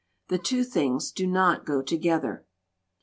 The two things do not go together.